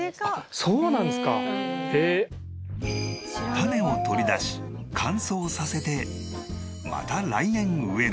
種を取り出し乾燥させてまた来年植える。